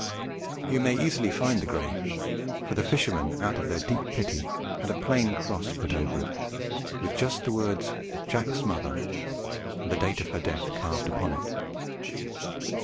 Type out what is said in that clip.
"You may easily find the grave, for the fishermen out of their deep pity had a plain cross put over it, with just the words 'Jack's mother' and the date of her death carved upon it.